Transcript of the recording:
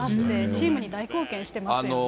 チームに大貢献していますよね。